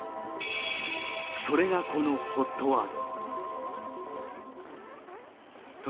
それがこのＨＯＴワード。